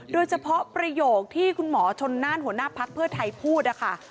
โดยเฉพาะประโยคที่คุณหมอชนน่านหัวหน้าพักเพื่อไทยพูดนะคะ